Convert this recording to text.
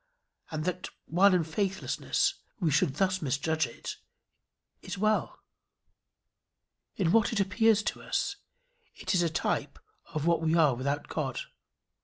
And that, while in faithlessness, we should thus misjudge it, is well. In what it appears to us, it is a type of what we are without God.